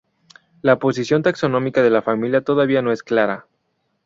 La posición taxonómica de la familia todavía no es clara.